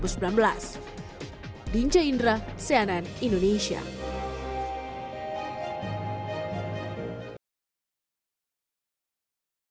salah satunya rencana the federal reserve menaikkan suku bunga acuan dua hingga tiga kali pada dua ribu sembilan belas